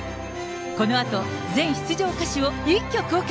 このあと、全出場歌手を一挙公開。